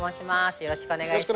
よろしくお願いします。